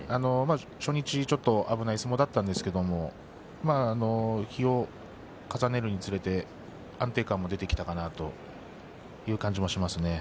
初日、危ない相撲でしたが日を重ねるにつれて安定感も出てきたかなとという感じもしますね。